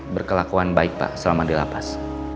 berkelakuan baik pak selama dilapas